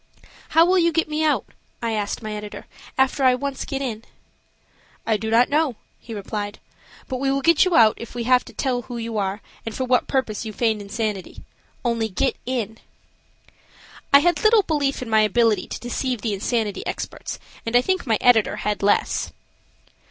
"How will you get me out," I asked my editor, "after I once get in?" "I do not know," he replied, "but we will get you out if we have to tell who you are, and for what purpose you feigned insanity–only get in." I had little belief in my ability to deceive the insanity experts, and I think my editor had less.